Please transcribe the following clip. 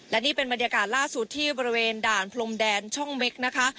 และนี่เป็นบรรยากาศล่าสุดที่บริเวณด่านพรมแดนช่องเม็กนะคะ